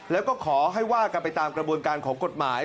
แล้วก็ขอให้ว่ากันไปตามกระบวนการของกฎหมาย